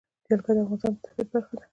جلګه د افغانستان د طبیعت برخه ده.